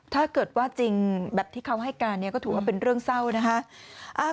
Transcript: ถ้าเกิดว่าจริงแบบที่เขาให้การเนี่ยก็ถือว่าเป็นเรื่องเศร้านะคะ